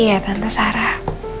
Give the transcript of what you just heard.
iya tante sarah